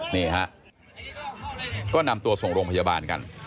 นี่ฮะก็นำตัวส่งโรงพยาบาลกัน